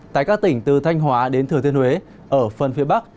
tại các tỉnh từ thanh hóa đến thừa thiên huế ở phần phía bắc